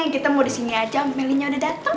kita mau disini aja meli nya udah dateng